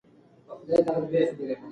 دا کار د الزایمر لپاره دی.